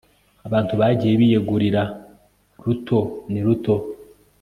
Abantu bagiye biyegurira ni ruto ni ruto